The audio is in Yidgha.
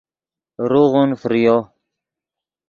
روغون فریو